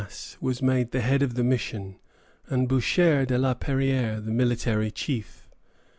_] Father Guignas was made the head of the mission, and Boucher de la Perrière the military chief.